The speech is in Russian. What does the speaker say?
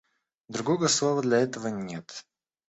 Другого слова для этого нет.